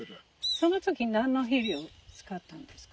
その時何の肥料を使ったんですか？